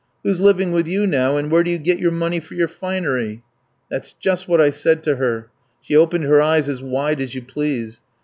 Who's living with you now, and where do you get your money for your finery?' That's just what I said to her; she opened her eyes as wide as you please.